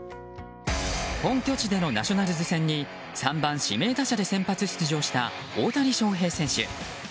本拠地でのナショナルズ戦に３番、指名打者で先発出場した大谷翔平選手。